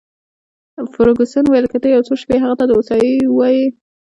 فرګوسن وویل: که ته یو څو شپې هغې ته د هوسایۍ وواېې.